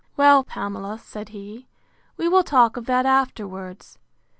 Well, Pamela, said he, we will talk of that afterwards.